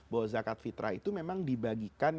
bahwa zakat fitrah itu memang dibagikan